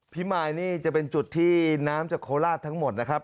พี่มายนี่จะเป็นจุดที่น้ำจากโคราชทั้งหมดนะครับ